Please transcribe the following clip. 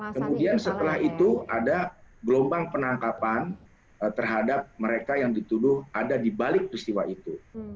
kemudian setelah itu ada gelombang penangkapan terhadap mereka yang dituduh ada di balik peristiwa itu